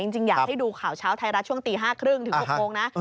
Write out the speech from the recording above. จริงอยากให้ดูข่าวเช้าไทยรัฐช่วงตี๕๓๐ถึง๖โมงนะ